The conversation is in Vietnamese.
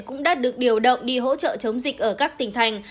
cũng đã được điều động đi hỗ trợ chống dịch ở các tỉnh thành